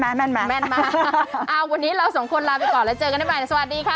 อ่าวันนี้เราสองคนลาไปก่อนแล้วเจอกันใหม่สวัสดีค่ะ